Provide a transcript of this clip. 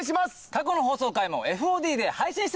過去の放送回もＦＯＤで配信してます。